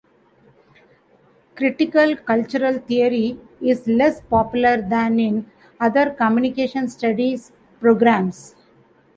Critical-cultural theory is less popular than in other "communication studies" programs.